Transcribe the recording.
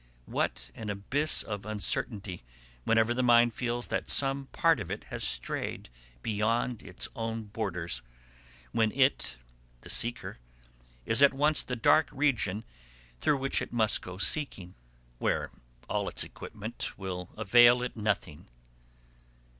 What an abyss of uncertainty whenever the mind feels that some part of it has strayed beyond its own borders; when it, the seeker, is at once the dark region through which it must go seeking, where all its equipment will avail it nothing.